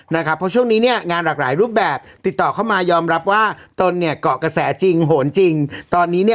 เพราะช่วงนี้เนี่ยงานหลากหลายรูปแบบติดต่อเข้ามายอมรับว่าตนเนี่ยเกาะกระแสจริงโหนจริงตอนนี้เนี่ย